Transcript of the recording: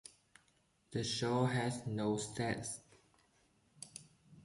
The show has no sets.